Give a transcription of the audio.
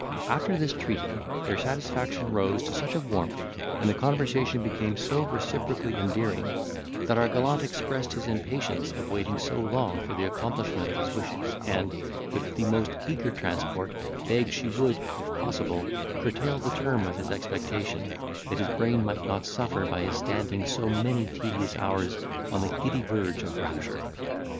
After this treaty, their satisfaction rose to such a warmth, and the conversation became so reciprocally endearing, that our gallant expressed his impatience of waiting so long for the accomplishment of his wishes, and, with the most eager transport, begged she would, if possible, curtail the term of his expectation, that his brain might not suffer by his standing so many tedious hours on the giddy verge of rapture.